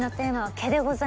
毛？